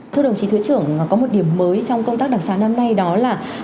thưa đồng chí thứ trưởng có một điểm mới trong công tác đặc sản năm nay đó là